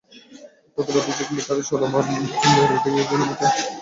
তাঁদের অভিযোগ, মিটারের চলমান রিডিংয়ের সঙ্গে মিটারের রিডিংয়ের কোনো মিল নেই।